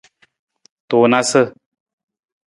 Tunasa.